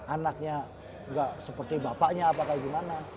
anaknya gak seperti bapaknya apa kayak gimana